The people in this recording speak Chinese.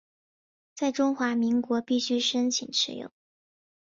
在中华民国必须申请持有。